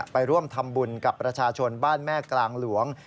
ไปร่วมทำบุญกับประชาชนบ้านแม่กลางหลวง